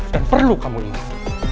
dan perlu kamu ingat